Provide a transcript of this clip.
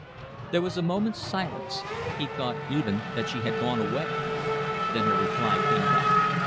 There was a moment's silence. He thought, even, that she had gone away. Then her reply came back.